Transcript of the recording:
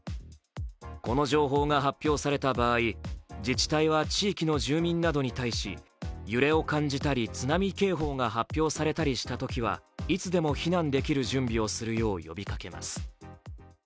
この情報が発表された場合、自治体は地域の住民などに対し揺れを感じたり、津波警報が発表されたりしたときはいつでも避難できる準備をするよう呼びかけます。